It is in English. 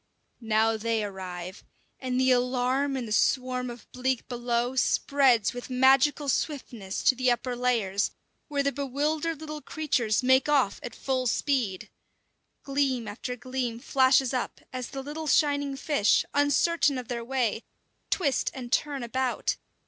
Now they arrive, and the alarm in the swarm of bleak below spreads with magical swiftness to the upper layers, where the bewildered little creatures make off at full speed. Gleam after gleam flashes up as the little shining fish, uncertain of their way, twist and turn about.